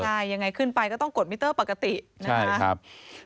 ใช่ยังไงขึ้นไปก็ต้องกดมิเตอร์ปกตินะครับ